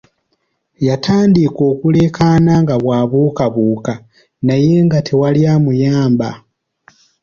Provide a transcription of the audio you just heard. Yatandika okulekaana nga bwabuukabuuka naye nga tewali amuyamba!